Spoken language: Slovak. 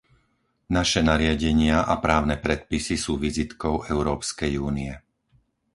Naše nariadenia a právne predpisy sú vizitkou Európskej únie.